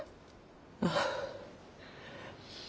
ああ。